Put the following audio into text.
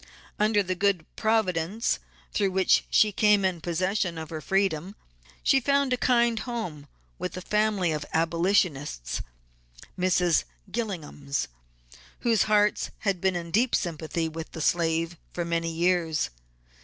Under the good Providence through which she came in possession of her freedom, she found a kind home with a family of Abolitionists, (Mrs. Gillingham's), whose hearts had been in deep sympathy with the slave for many years.